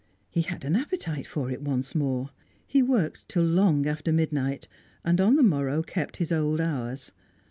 He had an appetite for it once more. He worked till long after midnight, and on the morrow kept his old hours.